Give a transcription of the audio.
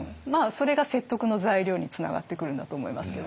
それが説得の材料につながってくるんだと思いますけどね。